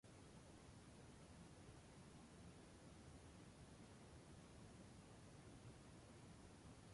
Amable se convierte así en la musa romántica por excelencia.